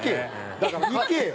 だから行けよ！